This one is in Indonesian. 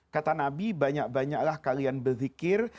kata nabi banyak banyak lah kalian berzikir